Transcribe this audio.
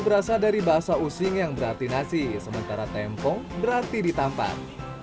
berasal dari bahasa using yang berarti nasi sementara tempong berarti ditampan